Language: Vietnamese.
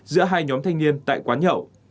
giữa hai nhóm thanh niên tại quán nhậu